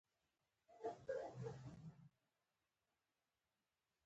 ایا ستاسو زړه به ډاډه نه وي؟